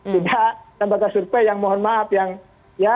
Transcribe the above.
tidak lembaga survei yang mohon maaf